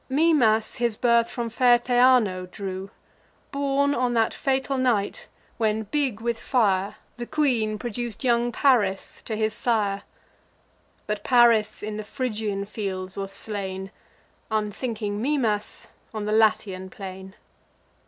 Mimas his birth from fair Theano drew, Born on that fatal night, when, big with fire, The queen produc'd young Paris to his sire: But Paris in the Phrygian fields was slain, Unthinking Mimas on the Latian plain.